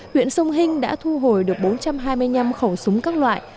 huyện sông hinh đã thu hồi được bốn trăm hai mươi năm khẩu súng các loại